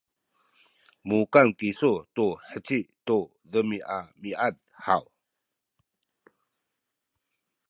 mukan kisu tu heci tu demiamiad haw?